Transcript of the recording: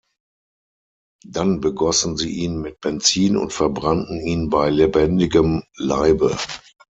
Dann begossen sie ihn mit Benzin und verbrannten ihn bei lebendigem Leibe.